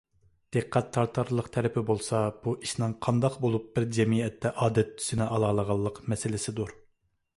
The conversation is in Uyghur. دىققەت تارتارلىق تەرىپى بولسا، بۇ ئىشنىڭ قانداق بولۇپ بىر جەمئىيەتتە ئادەت تۈسىنى ئالالىغانلىق مەسىلىسىدۇر.